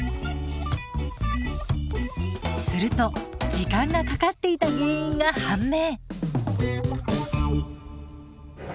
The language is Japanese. すると時間がかかっていた原因が判明。